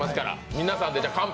皆さんで「乾杯」